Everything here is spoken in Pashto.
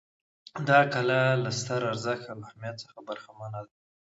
دا کلا له ستر ارزښت او اهمیت څخه برخمنه ده.